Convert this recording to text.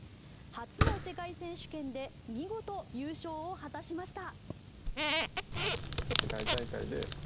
初の世界選手権で見事、優勝を果たしました。